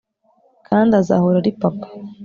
kandi azahora ari papa